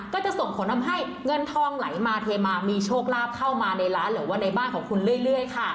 ก็จะส่งผลทำให้เงินทองไหลมาเทมามีโชคลาภเข้ามาในร้านหรือว่าในบ้านของคุณเรื่อยค่ะ